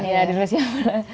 iya di rusia pula